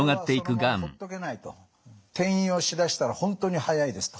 転移をしだしたら本当に速いですと。